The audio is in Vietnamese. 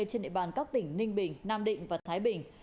trên địa bàn các tỉnh ninh bình nam định và thái bình